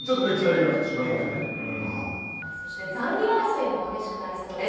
そして残留争いも激しくなりそうです。